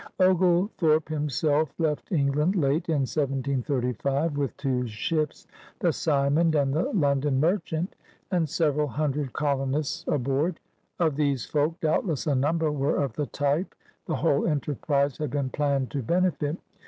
Oglethorpe himself left England late in 1735, with two ships, the Symond and the London Mer chant, and several hundred colcmists aboard. Of these folk doubtless a number were of the type the whole enterprise had been planned to benefit.